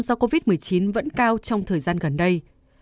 tổng thống do covid một mươi chín vẫn cao trong thời gian gần đây